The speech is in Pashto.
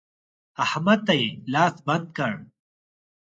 احمد ته يې لاس بند کړ.